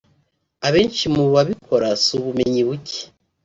Abenshi mu babikora si ubumenyi buke